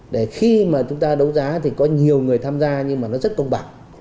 để khi mà chúng ta đấu giá thì có nhiều người tham gia nhưng mà nó rất công bằng